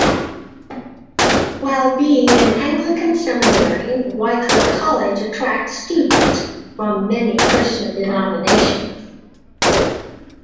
While being an Anglican seminary, Wycliffe College attracts students from many Christian denominations.